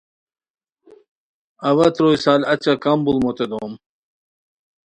ا وا تروئے سال اچہ کمبو ڑ موتے دوم